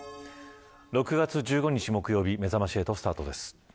６月１５日木曜日めざまし８スタートです。